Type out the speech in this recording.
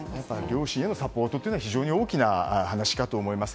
両親へのサポートというのは非常に大きな話かと思います。